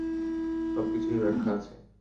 সবকিছুরই ব্যাখ্যা আছে।